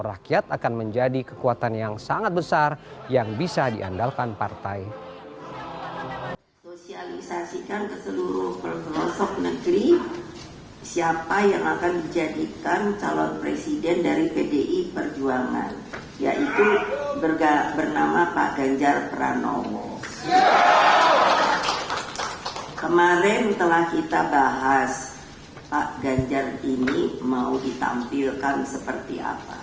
akan menjadi kekuatan yang sangat besar yang bisa diandalkan partai